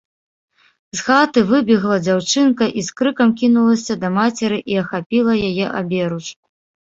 З хаты выбегла дзяўчынка і з крыкам кінулася да мацеры і ахапіла яе аберуч.